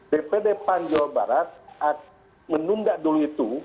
dpd pan jawa barat menunda dulu itu